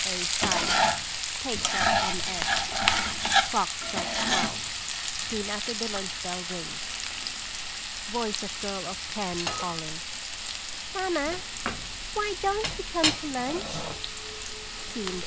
A., sighing, takes up MS. Clock strikes twelve; soon after the lunch bell rings._] Voice of Girl of Ten, calling: Mamma, why don't you come to lunch? SCENE III.